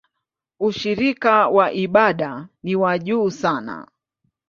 Ushiriki wa ibada ni wa juu sana.